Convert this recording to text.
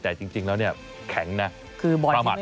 แต่จริงแล้วเนี่ยแข็งนะความหัดไม่ได้